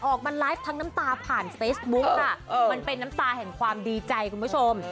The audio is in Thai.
ออกมาไลฟ์ทั้งน้ำตาผ่านเฟซบุ๊คค่ะมันเป็นน้ำตาแห่งความดีใจคุณผู้ชม